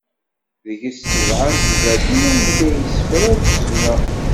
Deg-s sebɛa n tezlatin anda i d-yessefra s ccna.